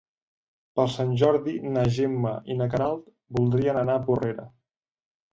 Per Sant Jordi na Gemma i na Queralt voldrien anar a Porrera.